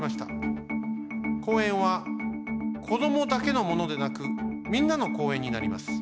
公園はこどもだけのものでなくみんなの公園になります。